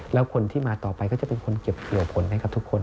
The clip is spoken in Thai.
แล้วคนที่มาต่อไปก็จะเป็นคนเก็บเกี่ยวผลให้กับทุกคน